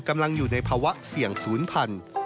กำลังอยู่ในภาวะเสี่ยงศูนย์พันธุ์